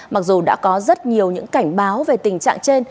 mặc dù đã có rất nhiều những cảnh báo về tình trạng trên